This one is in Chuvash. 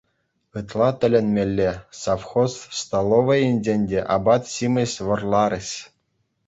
Ытла тӗлӗнмелле: совхоз столовӑйӗнчен те апат-ҫимӗҫ вӑрларӗҫ.